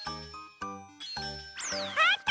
あった！